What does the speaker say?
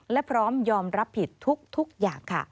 และพร้อมยอมรับผิดทุกอย่างค่ะ